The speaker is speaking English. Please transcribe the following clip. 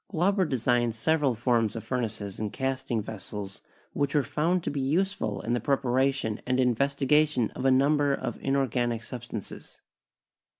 Glauber designed several forms of furnaces and casting vessels which were found to be useful in the preparation and investigation of a number of inorganic substances.